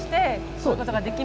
そういうことです。